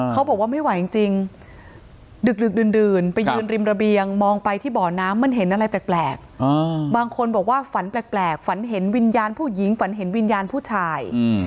เขาบอกว่าไม่ไหวจริงดึกดื่นไปยืนริมระเบียงมองไปที่บ่อน้ำมันเห็นอะไรแปลกบางคนบอกว่าฝันแปลกฝันเห็นวิญญาณผู้หญิงฝันเห็นวิญญาณผู้ชาย